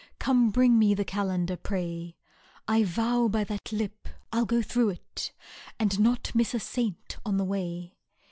Come, bring me the calendar, pray — I vow, by that lip, I '11 go througli it. And not miss a saint on my way.